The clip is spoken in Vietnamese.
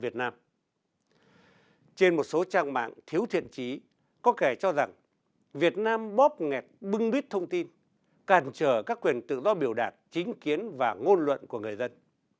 trên một số trang mạng thiếu thiện trí có kẻ cho rằng việt nam bóp nghẹt bưng bít thông tin càn trở các quyền tự do biểu đạt chính kiến và ngôn luận của người dân